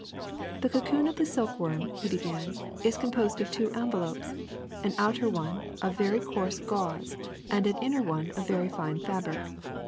*^The cocoon of the silkworm,'^ he began, *^is com posed of two envelops : an outer one of very coarse gauze, and an inner one of very fine fabric.